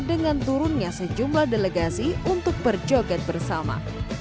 dengan turunnya sejumlah delegasi untuk berjoget bersama